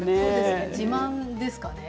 自慢ですかね？